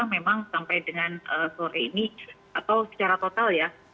memang sampai dengan sore ini atau secara total ya